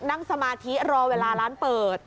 นั่งสมาธิรอเวลาร้านเปิด